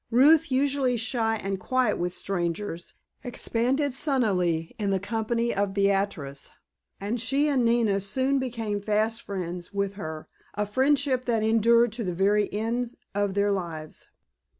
Ruth, usually shy and quiet with strangers, expanded sunnily in the company of Beatrice, and she and Nina soon became fast friends with her, a friendship that endured to the very end of their lives.